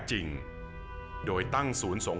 โรศีที่สุดอยู่